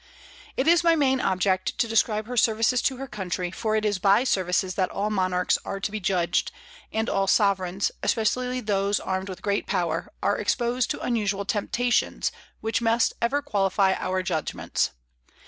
It is my main object to describe her services to her country, for it is by services that all monarchs are to be judged; and all sovereigns, especially those armed with great power, are exposed to unusual temptations, which must ever qualify our judgments.